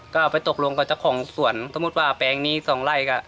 ก็เอาไปตกลงกับเจ้าของสวนสมมุติว่าแปลงนี้สองไร่ก็